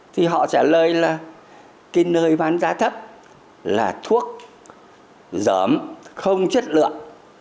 thì họ trả lời là cái nơi bán giá thấp là thuốc dởm không chất lượng